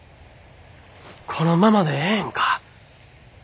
このままでええんか。